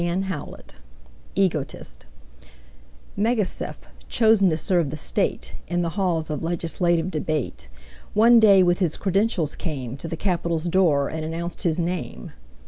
Ambrose Bierce Egotist MEGACEPH, chosen to serve the State In the halls of legislative debate, One day with his credentials came To the capitol's door and announced his name.